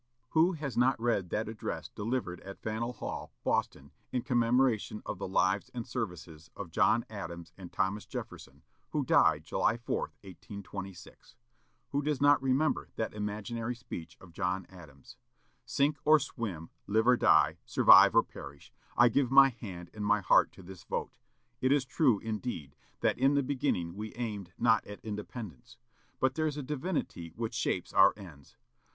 Who has not read that address delivered at Faneuil Hall, Boston, in commemoration of the lives and services of John Adams and Thomas Jefferson, who died July 4, 1826. Who does not remember that imaginary speech of John Adams, "Sink or swim, live or die, survive or perish, I give my hand and my heart to this vote. It is true, indeed, that in the beginning we aimed not at independence. But there's a Divinity which shapes our ends....